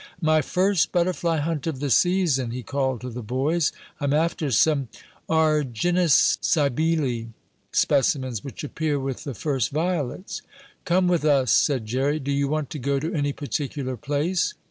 "My first butterfly hunt of the season!" he called to the boys. "I'm after some Argynnis cybele specimens, which appear with the first violets." "Come with us," said Jerry. "Do you want to go to any particular place?"